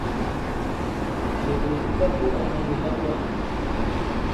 Bəzeɗe tətsago anaŋ i lakwan.